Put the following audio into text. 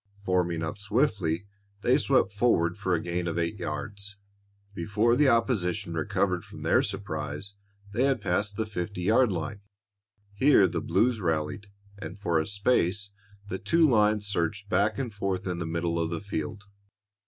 Forming up swiftly, they swept forward for a gain of eight yards. Before the opposition recovered from their surprise, they had passed the fifty yard line. Here the blues rallied, and for a space the two lines surged back and forth in the middle of the field.